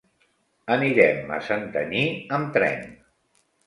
Anirem a Santanyí amb tren.